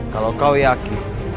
kalau kau yakin